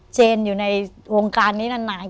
เจนอยู่ในวงการนี้นาน